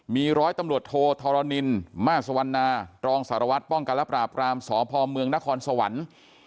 มีร้อยตำรวจโทธรณินมาสวรรณารองสารวัตรป้องกันและปราบรามสพเมืองนครสวรรค์